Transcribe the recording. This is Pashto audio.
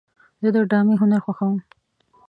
زه د ډرامې هنر خوښوم.